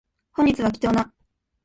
本日は貴重な